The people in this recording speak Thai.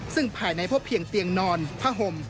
ซึ่งภายในพบเพียงเตียงนอนผ้าห่ม